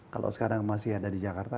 kalau sekarang masih ada di jakarta